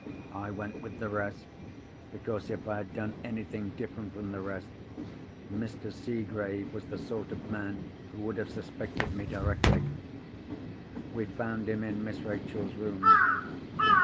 I went with the rest, because if I had done anything different from the rest, Mr. Seegrave was the sort of man who would have suspected me directly. We found him in Miss Rachel's room.